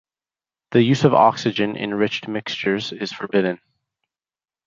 The use of oxygen enriched mixtures is forbidden.